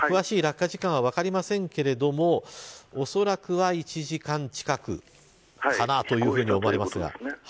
詳しい落下時間は分かりませんけどおそらくは１時間近くかなというふうに思われます。